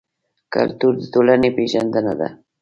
کلتور د ټولنې پېژندنه ده.